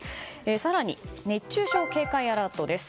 更に、熱中症警戒アラートです。